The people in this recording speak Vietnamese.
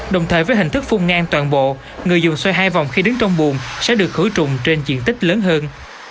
đồng thời với hình thức phung ngang toàn bộ người dùng xoay hai vòng khi đứng trong buồn sẽ được khử trùng trên diện tích lớn hơn